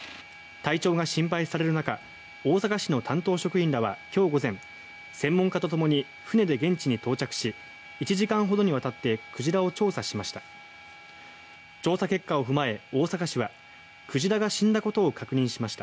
体調が心配される中大阪市の担当職員らは今日午前専門家とともに船で現地に到着し１時間ほどにわたって鯨を調査しました。